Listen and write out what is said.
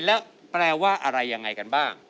แล้วแปลว่าอะไรยังไงกันบ้าง